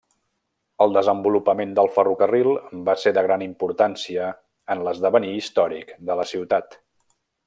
El desenvolupament del ferrocarril va ser de gran importància en l'esdevenir històric de la ciutat.